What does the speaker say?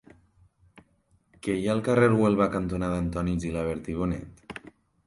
Què hi ha al carrer Huelva cantonada Antoni Gilabert i Bonet?